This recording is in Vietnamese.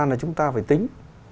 là chúng ta phải tính